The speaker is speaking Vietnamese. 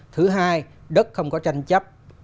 thứ hai đất không có tranh chấp